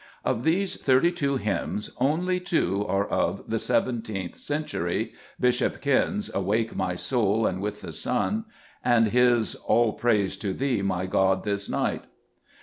Of these thirty two hymns, only two are Zbc JBest Cburcb t>£mns. of the seventeenth century, — Bishop Ken's "Awake, my soul, and with the sun," and his "All praise to Thee, my God, this night."